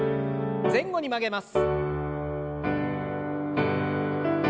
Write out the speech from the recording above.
前後に曲げます。